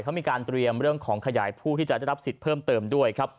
เขามีการเตรียมเรื่องของขยายผู้ที่จะได้รับสิทธิ์เพิ่มเติมด้วยครับ